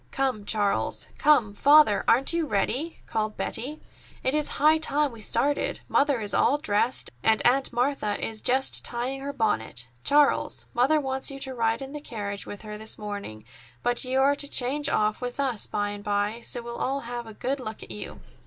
"Come, Charles. Come, Father, aren't you ready?" called Betty. "It is high time we started. Mother is all dressed, and Aunt Martha is just tying her bonnet. Charles, Mother wants you to ride in the carriage with her this morning; but you are to change off with us by and by, so we'll all have a good look at you."